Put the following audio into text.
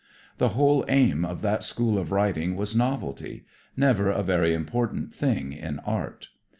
The whole aim of that school of writing was novelty never a very important thing in art.